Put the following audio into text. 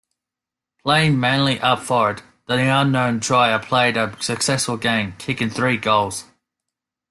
Playing mainly up forward, the unknown Dyer played a successful game, kicking three goals.